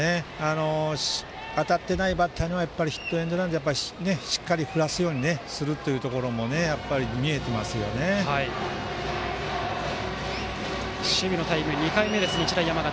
当たってないバッターにはヒットエンドランで、しっかり振らすようにするというのも守備のタイム２回目日大山形。